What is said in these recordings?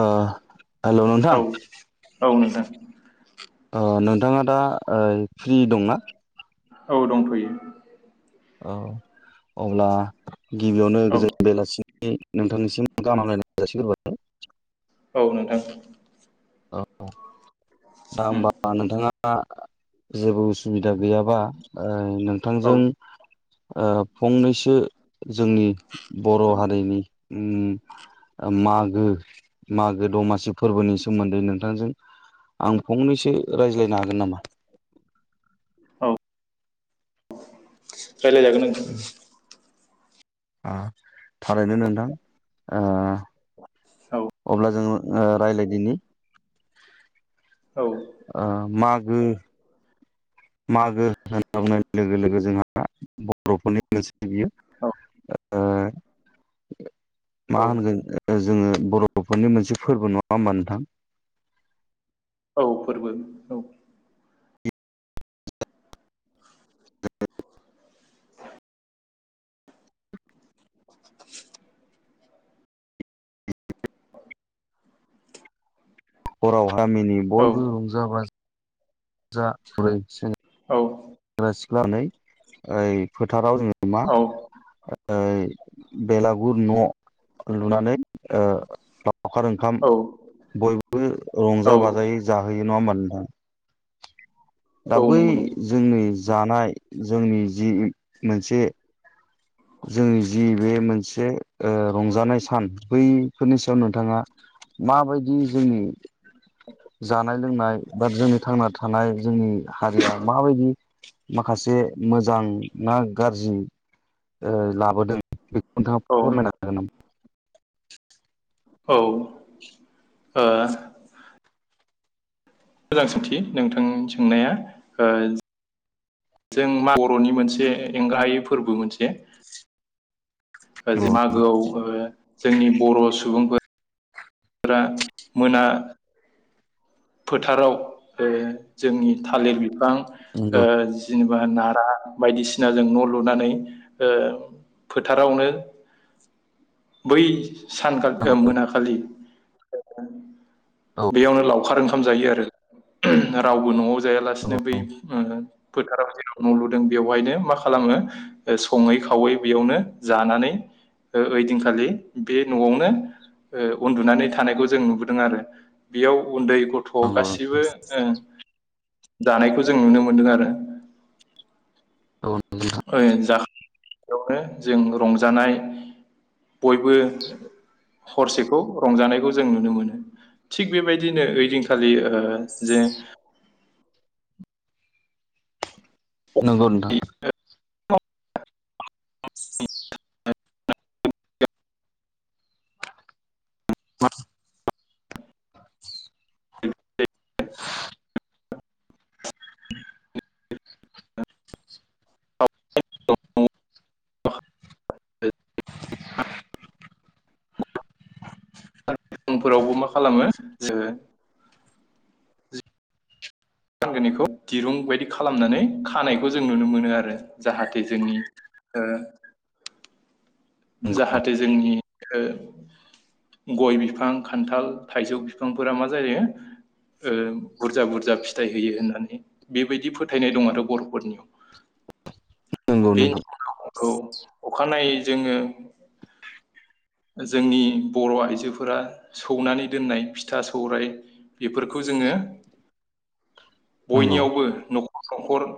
ओ हेल' औ नोंथां औ नोंथां ओ नोंथाङा दा ओ फ्रि दंना औ दंथ'यो औ अब्ला गिबियावनो औ गोजोन बेलासि नि नोंथांनिसिम गाहाम हामलायनायखौ जासिग्रोबाय औ नोंथां औ दा होमबा नोंथाङा दा जेबो उस सुबिदा गैयाबा ओ औ नोंथांजों ओ फंनैसो जोंनि बर' हारिनि उम मागो मागो दमासि फोरबोनि सोमोन्दै नोंथांजों आं फंनैसो रायज्लायनो हागोन नामा औ रायलायजागोन नोंथां आ थारैनो नोंथां आ अब्ला जोङो ओ रायलायदिनि औ औ आ माग गो मागो होनना बुंनाय लोगो लोगो जोंहा बर'फोरनि बियो औ आ मा औ होनगोन जोङो बर'फोरनि मोनसे फोरबो नङा होमबा नोंथां औ फोरबो औ औ [unintelligible] गामिनि औ बयबो रंजा बाजा जा फुरैसो [unintelligible] ओइ फोथाराव जोङो। मा औ। बेलागुर न' लुनानै ओ लावखार ओंखाम औ बयबो औ रंजा बाजायै जाहोयो। नङा होमबा नोंथा? दा औ बै नंगौ नंगौ जोंनि जानाय जोंनि जि मोनसे जोंनि जि बे मोनसे ओ रंजानाय सान बैफोरनि सायाव नोंथाङा माबायदि जोंनि जानाय-लोंनाय बा जोंनि थांना थानाय जोंनि हारिया माबायदि माखासे मोजां ना गाज्रि ओ बेखौ नोंथाङा औ फोरमायनो हागोन नामा? औ ओ मोजां सोंथि नोंथांनि सोंनाया ओ जों मा बर'नि मोनसे एंगाहायै फोरबो मोनसे ज मागोआव ओ जोंनि बर' सुबुंफो फोरा मोना। फोथाराव ओ जोंनि थालिर बि बां ओ जिम बा नारा बायदिसिनाजों न' लुनानै फोथारावनो बै सानखा ओ मोनाखालि [inaudible] बैयावनो लावखार ओंखा खाम जायो आरो रावबो न'आव जायालासिनो बै ओ फोथाराव जेराव न' लुदों बेवहायनो मा खालामो ओ सङै खावै बेयावनो जानानै ओ ओइदिनखालि बे न'आवनो ओ उन्दुनानै थानायखौ जों नुबोदों आरो बेयाव उन्दै थ' गासिबो ओ। दानायखौ जों नुनो मोनदों आरो ओइ जा यावनो जों रंजानाय बयबो हरसेखौ रंजानायखौ जों नुनो मोनो थिग बेबायदिनो ओइदिनखालि ओ जे नोंगौ नोंथां। [inaudible] फोरावबो उनफोरावबो मा खालामो जो फानगोन निखौ दिरुं बायदि खालामनानै खानायखौ जों नुनो मोनो आरो जाहाथे जोंनि ओ जाहाथे जोंनि ओ गय बिफां खान्थाल, थाइजौ बिफांफोरा मा जायो ओ बुरजा बुरजा फिथाइ होयो होननानै बेबायदि फोथायनाय दं आरो बर'फोरनियाव नोंगौ नोंथां खौ अखानायै जोङो [inaudible] जोंनि बर' आइजोफोरा सौनानै दोननाय फिथा सौराय बेफोरखौ जोङो नंगौ बयनियावबो न' [inaudible] न'खर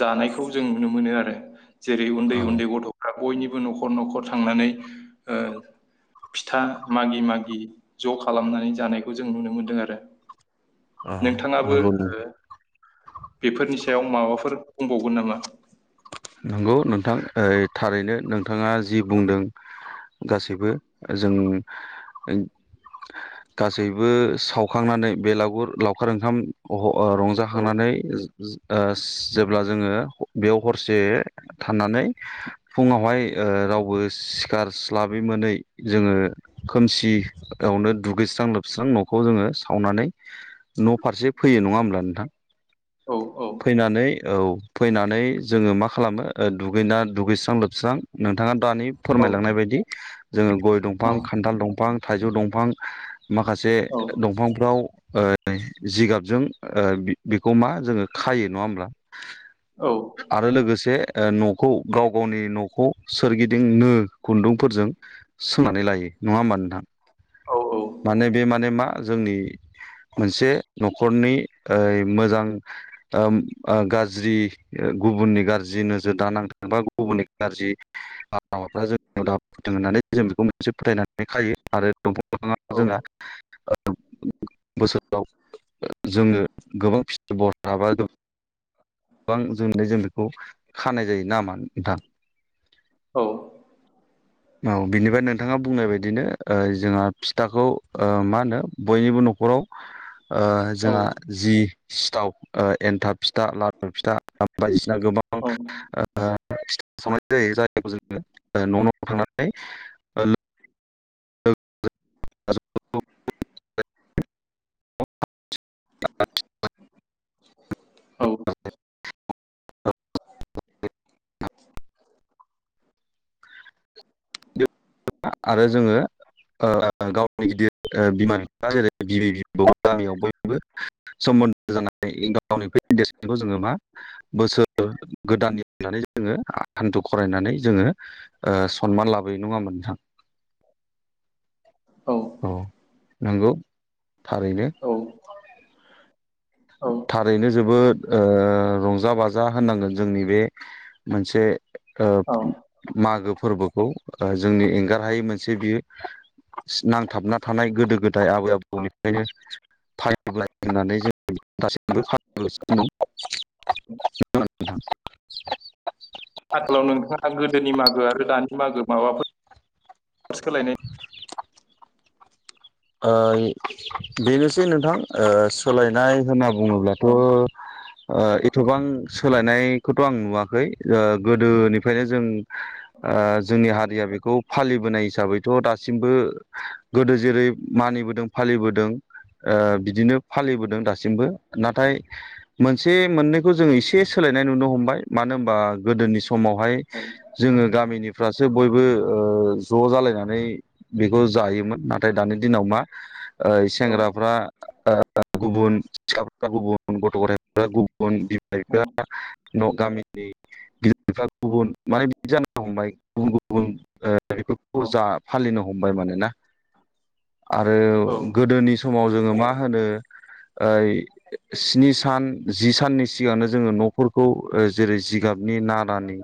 जानायखौ जों नुनो मोनो आरो जेरै उन्दै औ उन्दै गथ'फ्रा बयनिबो न'खर न'खर थांनानै ओ फिथा मागि मागि ज' खालामनानै जानायखौ जों नुनो मोनदों आरो औ नोंथाङाबो नंगौ ओ बेफोरनि सायाव माबाफोर बुंबावगोन नामा औ नोंथां ओइ थारैनो नोंथाङा जि बुंदों गासैबो जों गासैबो सावखांनानै बेगुर लावखार ओंखाम ह' ओ रंजा औ खांनानै जो ओस जेब्ला जोङो बेयाव हरसे थानानै फुङावहाय ओ रावबो सिखारस्लाबै मोनै जोङो खोमसियावनो दुगैस्रां लोबस्रां न'खौ जोङो सावनानै न'फारसे फैयो नङा होमब्ला नोंथां औ औ फैनानै औ फैनानै जोङो मा खालामो ओ दुगैना दुगैस्रां लोबस्रां नोंथाङा दानि औ फोरमायलांनाय बायदि जोङो गय दंफां औ खान्थाल दंफां थाइजौ दंफां माखासे औ दंफांफ्राव ओ जिगाबजों ओ बि बि गमा जोङो खायो नङा होमब्ला औ आरो लोगोसे ओ न'खौ गाव गावनि न'खौ सोरगिदिं नो खुन्दुंफोरजों सोंनानै लायो नङा होमबा नोंथां औ माने बे माने मा जोंनि मोनसे न'खरनि ओइ मोजां ओम ओ गाज्रि गुबुननि गाज्रि नोजोर दानांथों बा गुबुननि गाज्रि हाबाफ्रा जोंनिआव दा फैथों होननानै जों बेखौ मोनसे फोथायनानै खायो आरो दंफां [inaudible] औ जोङो गोबां फिथाइ बरहाबा दं गोबां [unintelligible] जों बेखौ खानाय जायो नामा नोंथां औ औ बिनिफ्राय नोंथाङा बुंनाय बायदिनो ओ जोंहा फिथाखौ ओ मा होनो बयनिबो न'खराव ओ जोंहा जि सिथाव ओ एनथाब फिथा ला [inaudible] या गोबां ओ [inaudible] [inaudible] औ आरो जोङो ओ गावनि गिदिर ओ बिमा बिफा जेरै बिबै बिबौ गामियाव बयबो [inaudible] हान्थु खरायनानै जोङो ओ सनमान लाबोयो नङा होमबा थां औ नोंगौ थारैनो औ औ थारैनो जोबोद ओ रंजा बाजा होननांगोन जोंनि बे मोनसे ओ औ मागो फोरबोखौ ओ जोंनि एंगारहायै मोनसे बियो नांथाबना थानाय गोदो गोदाय आबै आबौनिफ्रायनो फाय [unintelligible] [inaudible] [unintelligible] [inaudible] [unintelligible] नोंथाङा गोदोनि मागो आरो दानि मागो माबाफोर सोलायनाय ओइ बेनोसै नोंथां ओ सोलायनाय होनना ब बुङोब्लाथ' औ ओ एथबां सोलायनायखौथ' आं नुवाखै ओ गोदोनिफ्रायनो जों ओ जोंनि हारिया बेखौ फालिबोनाय हिसाबैथ' दासिमबो गोदो जेरै मानिबोदों फालिबोदों ओ बिदिनो फालिबोदों दासिमबो नाथाय मोनसे मोननैखौ जोङो एसे सोलायनाय नुनो हमबाय मानो होनबा गोदोनि स समावहाय औ जोङो गामिनिफ्रासो बयबो ओ ज' जालायनानै बेखौ जायोमोन नाथाय दानि दिनाव बा ओइ औ सेंग्राफ्रा ओ गुबुन [unintelligible] औ [unintelligible] न गामिनि [unintelligible] गुबुन माने बिदि जानो हमबाय गुबुन गुबुन ओ [unintelligible] अजा फालिनो हमबाइ माने ना आरो औ गोदोनि समाव जोङो मा होनो ओइ स्नि सान जि साननि सिगांनो जोङो न'फोरखौ जेरै जिगाबनि नारानि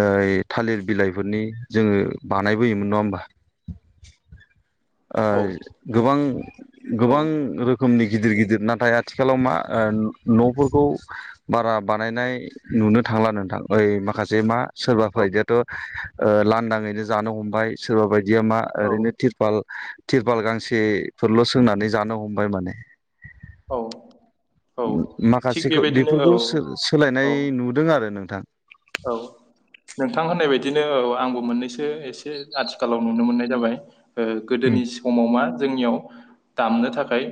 ओइ थालिर बिलाइफोरनि जोङो बानायबोयोमोन नङा होमबा ओइ गोबां गोबां रोखोमनि गिदिर गिदिर नाथाय आथिखालाव मा ओ न'फोरखौ बारा बा नायनाय नुनो थांला नोंथां ओइ माखासे मा सोरबाफोआइदि आथ' ओ लानदाङैनो जानो हमबाय सोरबा बाय बियामा औ ओरैनो तिरपाल तिरपाल गांसेफोरल' सोंनानै जानो हमबाय माने औ औ मो थिग माखासेखो बेबायदिनो औ बेफोरखो सो औ सोलायनाय नुदों आरो नों थां औ नोंथां होननाय बायदि दिनो औ आंबो मोननैसो एसे आथिखालाव नुनो मोननाय जाबाय ओ गोदोनि समाव मा जोंनियाव दामनो थाखाय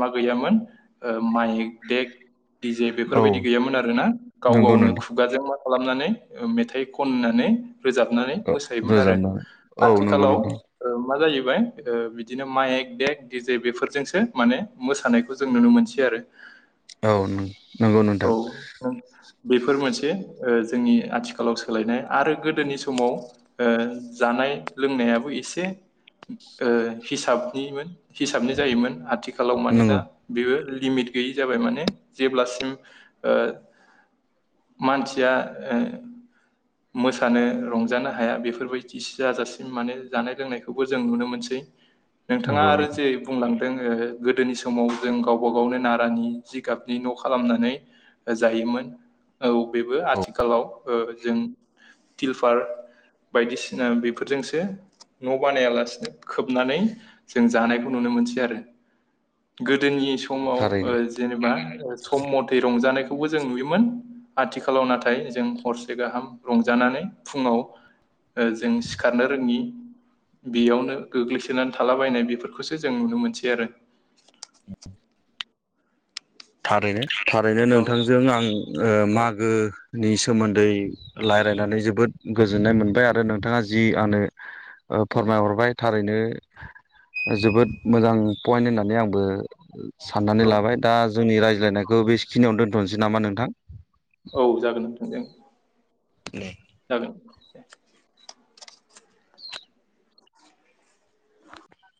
मा गैयामोन ओ मायेक देग डि जे औ बेफोरबायदि गैयामोन आरो ना गाव नंगौ गावनो नोंथां खुगाजों मा खालामनानै ओ मेथाइ खननानै रोजाबनानै औ मोसायोमोन आरो रोजाबनानै औ नंगौ आथिखालाव नोंथां ओ मा जायो [unintelligible] ओ बिदिनो माइक देग दिजे बेफोरजोंसो माने मोसानायखौ जों नुनो मोनसै आरो औ नों नोंगौ नोंथां दे ओ जोंनि आथिखालाव सोलायनाय आरो गोदोनि समाव ओ जानाय लोंनायाबो एसे ओ हिसाबनिमोन हिसाबनि जायोमोन आथिखालाव माने दा नंगौ बेबो लिमिट गैयि जाबाय माने जेब्लासिम ओ मानसि थिया ओ मोसानो रंजानो हाया बेफोरबायदिस जाजासिम माने जानाय लोंनायखौबो जों नुनो मोनसै नोंथाङा नंगौ आरो नोंथां जे बुंलां दों ओ गोदोनि समाव जों गावबा गावनो नारानि जिगाबनि न' खालामनानै जायोमोन औ बेबो औ आथिखालाव ओ जों टिलफार बायदिसिना बेफोरजोंसो न' बानायालासिनो खोबनानै जों जानायखौ नुनो मोनसै आरो गो दोनि समाव ओ थारैनो जेनेबा ओ सम मथै रंजानाय खौबो जों नुयोमोन आथिखालाव नाथाय जों हरसे गाहाम रंजानानै फुङाव ओजों सिखारनो रोङि बेयावनो गोग्लैसोनानै थालाबायनाय बेफोरखौसो जों नुनो मोनसै आरो थारैनो थारैनो औ नोंथांजों आं ओ मागोनि सोमोन्दै लायरायनानै जोबोद गोजोननाय मोनबाय आरो नोंथाङा जि आनो ओ फोरमायहरबाय थारैनो जोबोद मोजां पइन्ट होननानै आंबो साननानै औ लाबाय दा जोंनि रायज्लायनायखौ बेसखिनियावनो दोनथ'नसै नामा नोंथां औ जागोन नोंथां जों [inaudible] जागोन दे